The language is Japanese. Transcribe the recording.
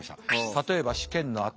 「例えば試験のあと」。